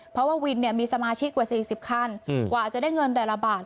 เพราะว่าวินเนี่ยมีสมาชิกกว่าสี่สิบขั้นอืมกว่าจะได้เงินแต่ละบาท